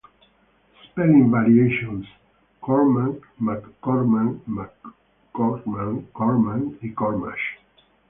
Spelling variations: Cormack, MacCormack, MacCormac, Cormac, Cormach.